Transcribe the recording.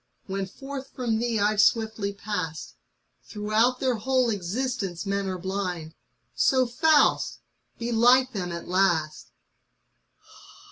When forth from thee I've swiftly passed ! Throughout their whole existence men are blind; So, Faust, be thou like them at last!